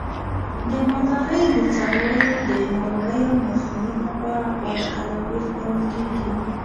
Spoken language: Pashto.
د مالدارۍ د څارویو د ناروغیو مخنیوي لپاره غوره تدابیر نیول کېږي.